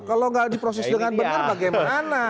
kalau nggak diproses dengan benar bagaimana